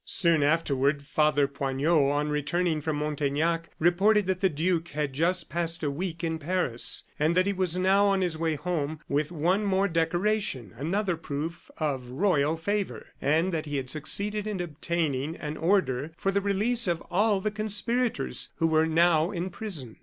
Soon afterward, Father Poignot, on returning from Montaignac, reported that the duke had just passed a week in Paris, and that he was now on his way home with one more decoration another proof of royal favor and that he had succeeded in obtaining an order for the release of all the conspirators, who were now in prison.